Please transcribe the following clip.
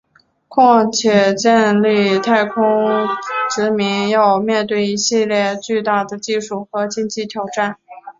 况且建立太空殖民要面对一系列巨大的技术和经济挑战。